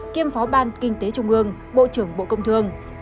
kiêm phó ban kinh tế trung ương bộ trưởng bộ công thương